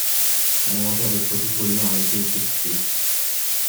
Un inventaire de produits polluants a été effectué.